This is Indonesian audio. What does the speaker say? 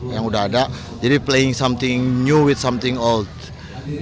yang udah ada jadi main sesuatu yang baru dengan sesuatu yang lama